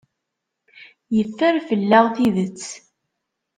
Yeffer fell-aɣ tidet.